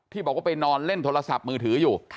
บอกว่าไปนอนเล่นโทรศัพท์มือถืออยู่